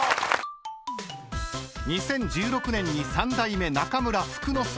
［２０１６年に３代目中村福之助を襲名］